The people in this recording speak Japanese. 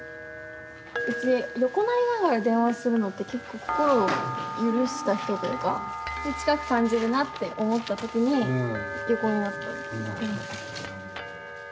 うち横になりながら電話するのって結構心を許した人というか近く感じるなって思った時に横になった。